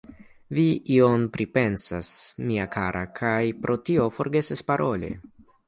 Vi ion pripensas, mia kara, kaj pro tio forgesas paroli.